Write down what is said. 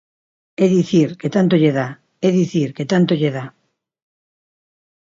É dicir, que tanto lle dá, é dicir, que tanto lle dá.